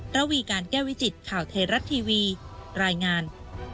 ระวีการแก้วิจิตข่าวไทยรัฐทีวีรายงาน